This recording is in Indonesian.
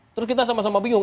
terus kita sama sama bingung